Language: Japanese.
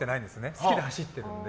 好きで走ってるので。